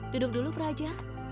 duduk dulu praja